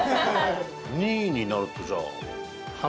２位になるとじゃあ。